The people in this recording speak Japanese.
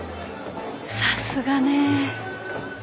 さすがね。